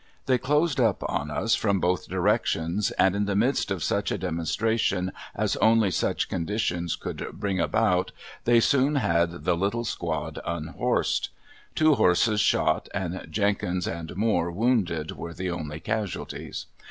They closed up on us from both directions, and in the midst of such a demonstration as only such conditions could bring about they soon had the little squad unhorsed. Two horses shot and Jenkins and Moore wounded were the only casualties.